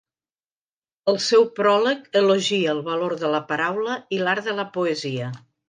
El seu pròleg elogia el valor de la paraula i l'art de la poesia.